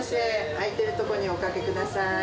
空いてる所にお掛けください。